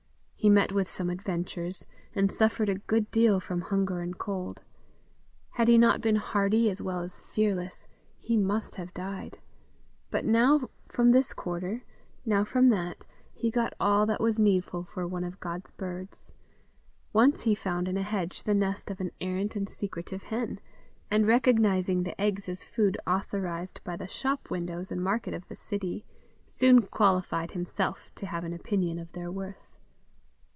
He met with some adventures, and suffered a good deal from hunger and cold. Had he not been hardy as well as fearless he must have died. But, now from this quarter, now from that, he got all that was needful for one of God's birds. Once he found in a hedge the nest of an errant and secretive hen, and recognizing the eggs as food authorized by the shop windows and market of the city, soon qualified himself to have an opinion of their worth.